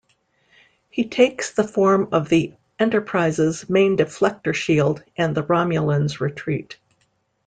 He takes the form of the "Enterprise"s main deflector shield and the Romulans retreat.